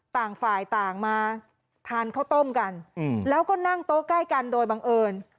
ต่างฝ่ายต่างมาทานข้าวต้มกันแล้วก็นั่งโต๊ะใกล้กันโดยบังเอิญ